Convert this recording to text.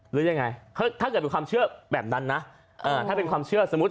เป็นไงถ้าเกิดความเชื่อแบบนั้นนะถ้าเป็นความเชื่อสมมุติ